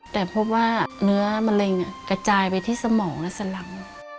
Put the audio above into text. แต่พบว่าเนื้อมะเร็งกระจายไปที่สมองและสลัง